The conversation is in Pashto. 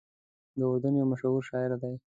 د اردن یو مشهور شاعر دی.